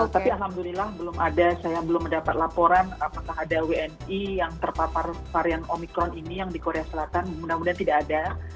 tapi alhamdulillah belum ada saya belum mendapat laporan apakah ada wni yang terpapar varian omikron ini yang di korea selatan mudah mudahan tidak ada